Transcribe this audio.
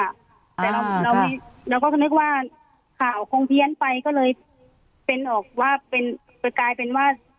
แต่เราก็นึกว่าข่าวคงเพี้ยนไปก็เลยเป็นออกว่าเป็นกลายเป็นว่า